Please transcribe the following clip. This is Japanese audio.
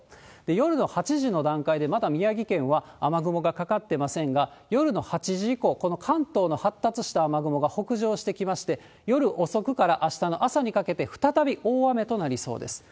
夜の８時の段階で、まだ宮城県は雨雲がかかってませんが、夜の８時以降、この関東の発達した雨雲が北上してきまして、夜遅くからあしたの朝にかけて、再び大雨となりそうです。